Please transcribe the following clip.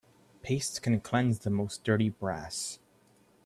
Paste can cleanse the most dirty brass.